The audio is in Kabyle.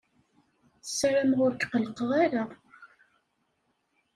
Ssarameɣ ur k-qellqeɣ ara.